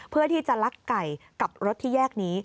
เพื่อที่จะลักไก่กับรถที่แยกนี้